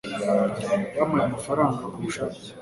yampaye amafaranga kubushake